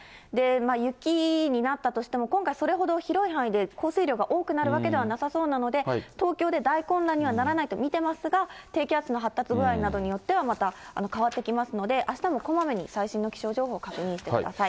雪になったとしても、今回、それほど広い範囲で降水量が多くなるわけではなさそうなので、東京で大混乱にはならないと見てますが、低気圧の発達具合などによってはまた変わってきますので、あしたもこまめに、最新の気象情報を確認してください。